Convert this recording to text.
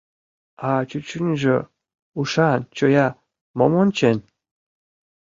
А чӱчӱньыжӧ ушан, чоя, мом ончен?